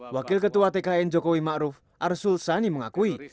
wakil ketua tkn jokowi ma'ruf arsul sani mengakui